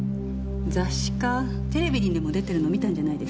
雑誌かテレビにでも出てるの見たんじゃないですか？